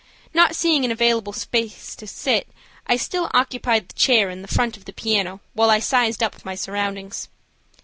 Not seeing an available place to sit, I still occupied the chair in the front of the piano while I "sized up" my surroundings.